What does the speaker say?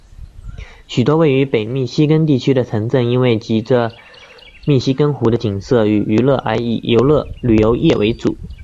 许多位于北密西根地区的城镇因为藉着密西根湖的景色与娱乐而以旅游业为主。